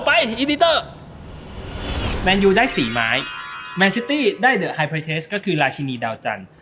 ไปอีดิเตอร์แมนยูได้สี่ไม้แมนซิตี้ได้คือราชินีดาวจันทร์